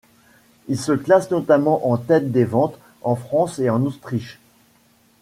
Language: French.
Il se classe notamment en tête des ventes en France et en Autriche.